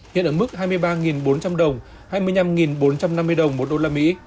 hiện ở mức hai mươi ba bốn trăm linh đồng hai mươi năm bốn trăm năm mươi đồng một usd